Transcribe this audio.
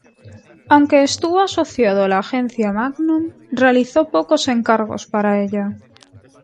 Aunque estuvo asociado a la Agencia Magnum realizó pocos encargos para ella.